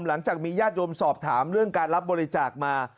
หลังจากมีญาติโยมสอบถามเรื่องการรับบริจาคมา